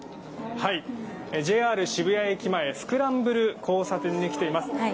渋谷駅前スクランブル交差点に来ています。